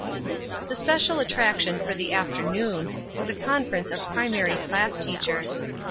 The special attraction for the afternoon was a conference of primary class teachers.